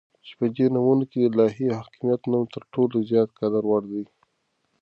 چې په دي نومونو كې دالهي حاكميت نوم تر ټولو زيات دقدر وړ دى